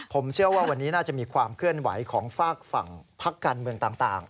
ผมเชื่อว่าวันนี้น่าจะมีความเคลื่อนไหวของฝากฝั่งพักการเมืองต่าง